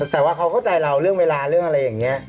แต่ว่าเขาเข้าใจเราเรื่องเวลาเรื่องอะไรอย่างนี้